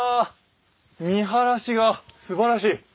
見晴らしがすばらしい。